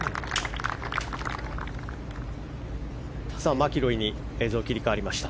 マキロイに映像が切り替わりました。